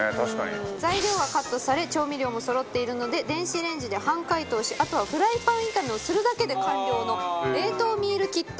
奈緒：材料がカットされ調味料もそろっているので電子レンジで半解凍し、あとはフライパン炒めをするだけで完了の冷凍ミールキット。